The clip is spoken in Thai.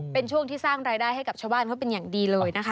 เป็นช่วงที่สร้างรายได้ให้กับชาวบ้านเขาเป็นอย่างดีเลยนะคะ